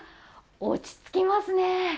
落ち着きますね。